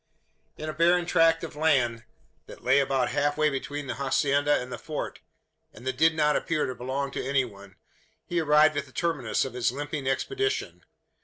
In a barren tract of land, that lay about half way between the hacienda and the Fort and that did not appear to belong to any one he arrived at the terminus of his limping expedition.